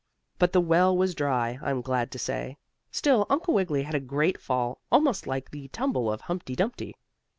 But the well was dry, I'm glad to say. Still Uncle Wiggily had a great fall almost like the tumble of Humpty Dumpty.